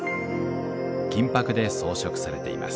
金箔で装飾されています。